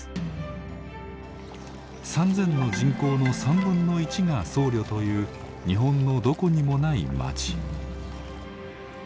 ３，０００の人口の1/3が僧侶という日本のどこにもない町。